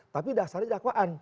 tapi dasarnya dakwaan